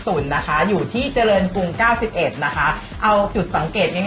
คุณหนูถามตรงเร็ว